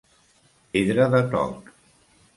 Pedra de toc.